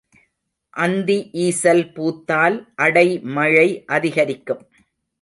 அந்தி ஈசல் பூத்தால் அடைமழை அதிகரிக்கும்.